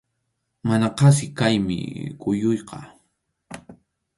Mana qasi kaymi kuyuyqa.